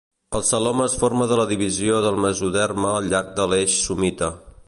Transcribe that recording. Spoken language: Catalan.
El celoma es forma de la divisió del mesoderma al llarg de l'eix somita.